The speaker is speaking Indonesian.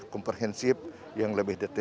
kumpersensi yang lebih detail